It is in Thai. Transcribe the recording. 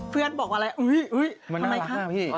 เพื่อนบอกว่าอะไรเฮ้ยเห้ยมันน่ารักนะพี่